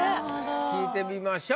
聞いてみましょう。